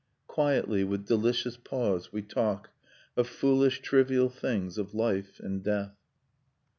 Quietly, with delicious pause, we talk, Of foolish trivial things, of life and death.